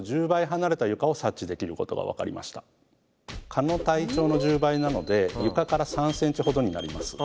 蚊の体長の１０倍なので床から３ｃｍほどになります。